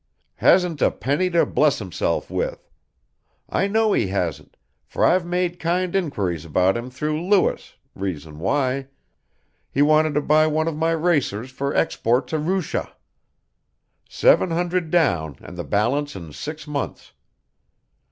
Hasn't a penny to bless himself with. I know he hasn't, for I've made kind enquiries about him through Lewis, reason why he wanted to buy one of my racers for export to Roosia. Seven hundred down and the balance in six months.